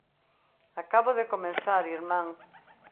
Acabo de comezar, irmán.